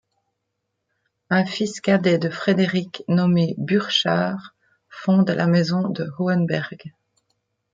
Un fils cadet de Frédéric, nommé Burchard, fonde la Maison de Hohenberg.